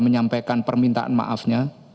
menyampaikan permintaan maafnya